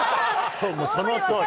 そのとおり。